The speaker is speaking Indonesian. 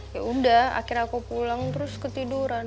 ya udah akhirnya aku pulang terus ketiduran